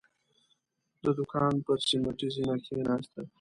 د دوکان پر سيميټي زينه کېناسته.